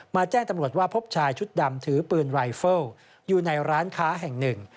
แจ้งตำรวจว่าพบชายชุดดำถือปืนรายเฟิลอยู่ในร้านค้าแห่งหนึ่ง